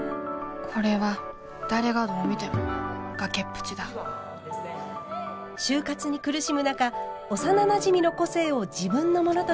これは誰がどう見ても崖っぷちだ就活に苦しむ中幼なじみの個性を自分のものとして偽った主人公。